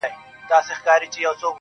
o كله، ناكله غلتيږي څــوك غوصه راځـي.